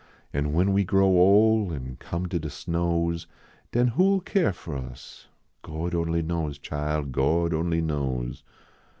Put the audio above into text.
An when we grow ole An come to de snows, Den who ll keer fo us? Gord only knows, chile, Gord only knows.